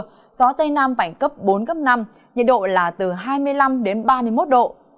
gió tây nam mạnh cấp bốn năm nhiệt độ là từ hai mươi năm ba mươi một độ